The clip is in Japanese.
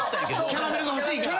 キャラメルが欲しいから。